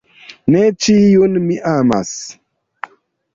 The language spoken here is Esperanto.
Ne ĉiun mi amas.